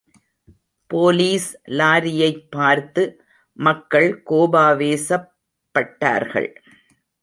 Police லாரியைப் பார்த்து மக்கள் கோபாவேசப் பட்டார்கள்.